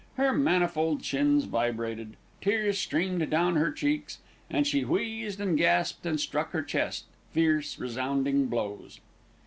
Her manifold chins vibrated, tears streamed down her cheeks, and she wheezed and gasped and struck her chest, fierce, resounding blows.